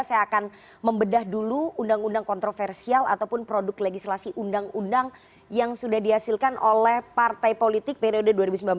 saya akan membedah dulu undang undang kontroversial ataupun produk legislasi undang undang yang sudah dihasilkan oleh partai politik periode dua ribu sembilan belas dua ribu dua puluh